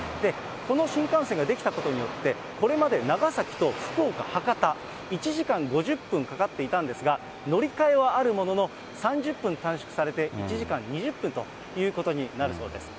この新幹線が出来たことによって、これまで長崎と福岡・博多、１時間５０分かかっていたんですが、乗り換えはあるものの、３０分短縮されて１時間２０分ということになるそうなんです。